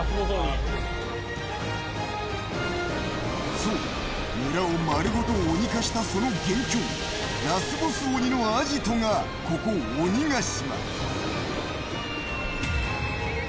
そう、村を丸ごと鬼化した、その元凶、ラスボス鬼のアジトがここ鬼ヶ島。